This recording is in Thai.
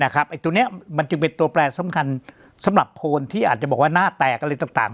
ตัวนี้มันจึงเป็นตัวแปลสำคัญสำหรับโคนที่อาจจะบอกว่าหน้าแตกอะไรต่าง